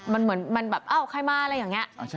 มันเหมือนมันแบบเอ้าใครมาอะไรอย่างนี้